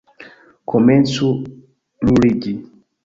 Komencu ruliĝi!